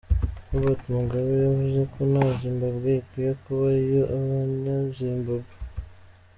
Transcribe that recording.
Robert Mugabe yavuze ko na Zimbabwe ikwiye kuba iyo abanya Zimbabwe.